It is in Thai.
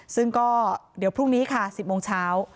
ซึ่งก็เดี๋ยวพรุ่งนี้ค่ะ๑๐โมงเช้า